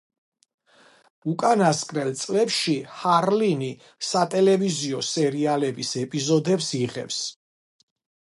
უკანასკნელ წლებში ჰარლინი სატელევიზიო სერიალების ეპიზოდებს იღებს.